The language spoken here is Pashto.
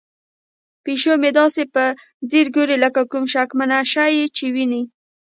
پیشو مې داسې په ځیر ګوري لکه کوم شکمن شی چې ویني.